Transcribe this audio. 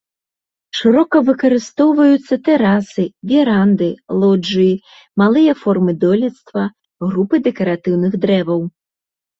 Шырока выкарыстоўваюцца тэрасы, веранды, лоджыі, малыя формы дойлідства, групы дэкаратыўных дрэваў.